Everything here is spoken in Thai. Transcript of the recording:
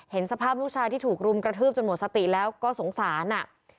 เห็นสภาพลูกชายที่ถูกรุมกระทืบจนหมดสติแล้วก็สงสาร